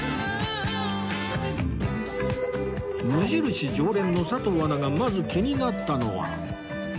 無印常連の佐藤アナがまず気になったのは